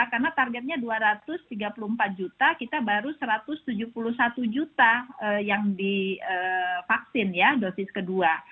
karena targetnya dua ratus tiga puluh empat juta kita baru satu ratus tujuh puluh satu juta yang divaksin dosis kedua